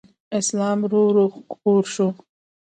اسلام ورو ورو خپور شو